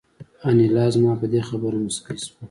انیلا زما په دې خبره موسکه شوه